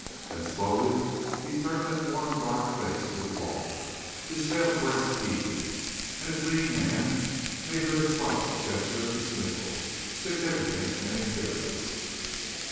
Then slowly he turned that worn dark face to the wall. His frail breast heaved. And his lean hand made her a slight gesture of dismissal, significant and imperious.